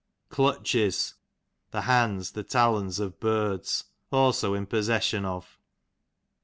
Clutches, the hands, the talons of birds ; also in possession of.